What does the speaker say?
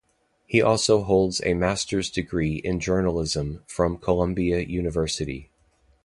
He also holds a Master's Degree in journalism from Columbia University.